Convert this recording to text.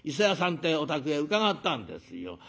ってえお宅へ伺ったんですよ。